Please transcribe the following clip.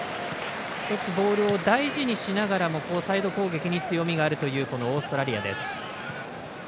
１つ、ボールを大事にしながらもサイド攻撃に強みがあるというオーストラリアです。